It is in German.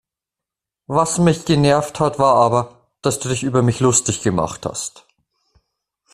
Was mich genervt hat war aber, dass du dich über mich lustig gemacht hast.